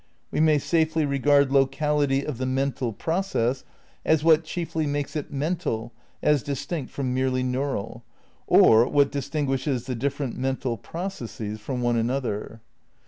... "We may safely regard locality of the mental process as what chiefly makes it mental as distinct from merely neural, or what dis tingniishes the different mental processes from one another.